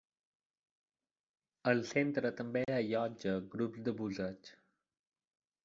El centre també allotja grups de busseig.